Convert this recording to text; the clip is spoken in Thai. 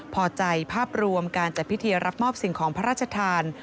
พอใจภาพรวมการจัดพิธีรับมอบสิ่งของพระราชทาน